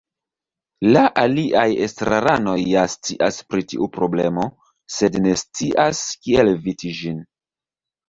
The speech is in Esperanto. La aliaj estraranoj ja scias pri tiu problemo, sed ne scias kiel eviti ĝin.